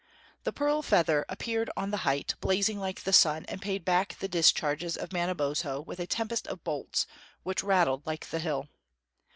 The Pearl Feather appeared on the height, blazing like the sun, and paid back the discharges of Mana bozho with a tempest of bolts, which rattled like the hail.